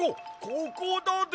ここだで！